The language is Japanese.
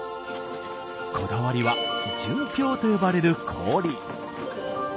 こだわりは「純氷」と呼ばれる氷。